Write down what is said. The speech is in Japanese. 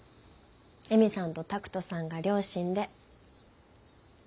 恵美さんと拓門さんが両親で。